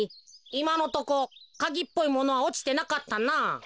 いまのとこカギっぽいものはおちてなかったなあ。